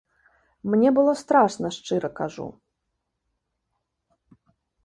Мне было страшна, шчыра кажу.